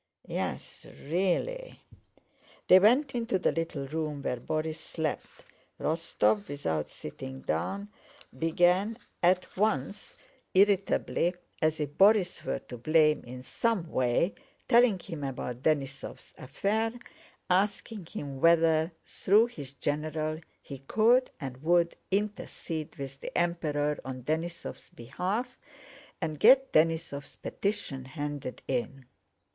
"Yes, really..." They went into the little room where Borís slept. Rostóv, without sitting down, began at once, irritably (as if Borís were to blame in some way) telling him about Denísov's affair, asking him whether, through his general, he could and would intercede with the Emperor on Denísov's behalf and get Denísov's petition handed in.